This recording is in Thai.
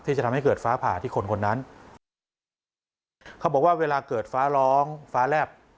ที่จะทำให้เกิดฟ้าผ่าที่คนคนนั้นเขาบอกว่าเวลาเกิดฟ้าร้องฟ้าแลบ